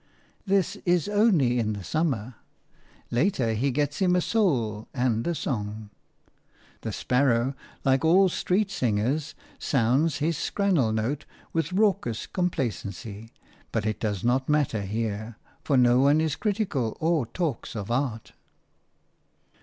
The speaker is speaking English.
This is only in the summer: later, he gets him a soul and a song. The sparrow, like all street singers, sounds his scrannel note with raucous complacency; but it does not matter here, for no one is critical or talks of Art.